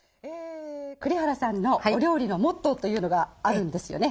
栗原さんのお料理のモットーというのがあるんですよね？